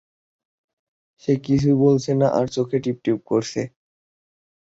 সে কিছুই বলছে না আর চোখ পিটপিট করছে।